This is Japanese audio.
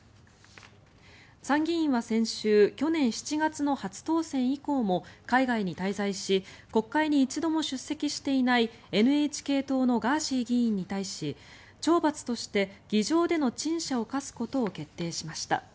参議院は先週去年７月の初当選以降も海外に滞在し国会に１度も出席していないＮＨＫ党のガーシー議員に対し懲罰として議場での陳謝を科すことを決定しました。